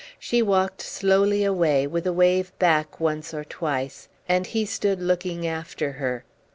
She walked slowly away, with a wave back once or twice, and he stood looking after her.